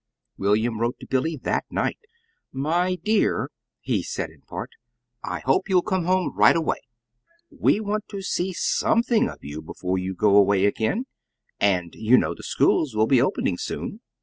William wrote to Billy that night. "My dear: " he said in part. "I hope you'll come home right away. We want to see SOMETHING of you before you go away again, and you know the schools will be opening soon.